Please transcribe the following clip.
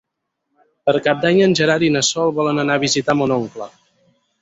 Per Cap d'Any en Gerard i na Sol volen anar a visitar mon oncle.